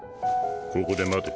ここで待て。